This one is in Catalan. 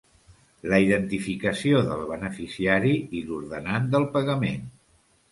La identificació del beneficiari i l'ordenant del pagament.